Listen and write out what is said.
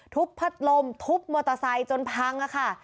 พัดลมทุบมอเตอร์ไซค์จนพังค่ะ